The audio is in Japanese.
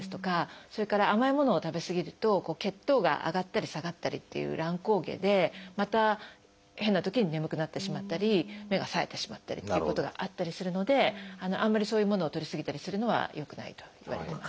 それから甘いものを食べ過ぎると血糖が上がったり下がったりという乱高下でまた変なときに眠くなってしまったり目がさえてしまったりっていうことがあったりするのであんまりそういうものをとり過ぎたりするのはよくないといわれてます。